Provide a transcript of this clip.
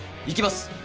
行きます。